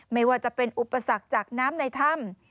ไม่ว่าจะเป็นอุปสรรคจากน้ำในถ้ำ